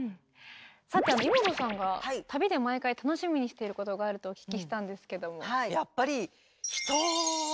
さてイモトさんが旅で毎回楽しみにしてることがあるとお聞きしたんですけども。